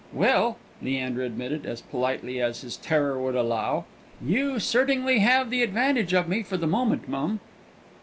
"Well," Leander admitted, as politely as his terror would allow, "you certingly have the advantage of me for the moment, mum."